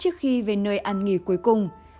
trước khi về nơi ăn nghỉ cuối cùng phi nhung đã trở lại